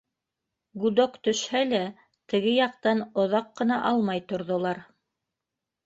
Гудок төшһә лә, теге яҡтан оҙаҡ ҡына алмай торҙолар.